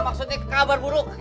maksudnya kabar buruk